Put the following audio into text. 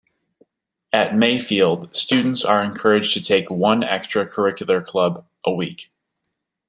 At Mayfield students are encouraged to take one extra curricular club a week.